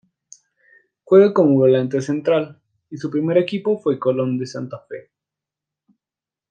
Juega como volante central y su primer equipo fue Colón de Santa Fe.